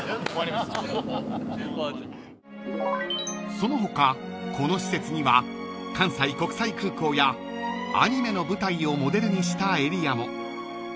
［その他この施設には関西国際空港やアニメの舞台をモデルにしたエリアも］